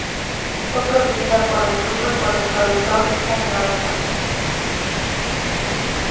Fue producida por el grupo y por el productor Ken Nelson.